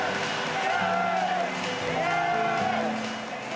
イエーイ！